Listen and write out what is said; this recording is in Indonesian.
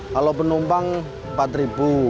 kalau penumpang rp empat